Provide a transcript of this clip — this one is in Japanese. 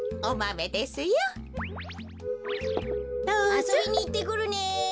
あそびにいってくるね。